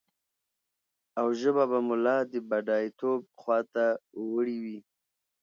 او ژبه به مو لا د بډايتوب خواته وړي وي.